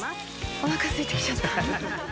お腹空いてきちゃった。